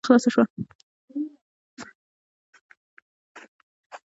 چې د کلا دروازه خلاصه شوه.